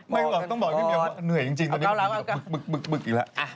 ต้องบอกนิดเดียวว่าเหนื่อยจริงตอนนี้บึกอีกแล้ว